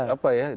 apa ya dalam